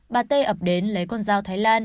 bà t ập đến lấy con dao thái lan